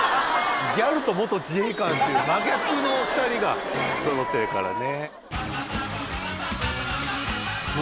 ギャルと元自衛官っていうはいはい真逆の２人が揃ってるからね